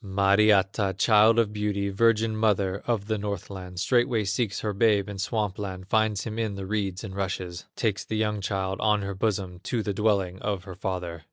Mariatta, child of beauty, Virgin mother of the Northland, Straightway seeks her babe in Swamp land, Finds him in the reeds and rushes; Takes the young child on her bosom To the dwelling of her father.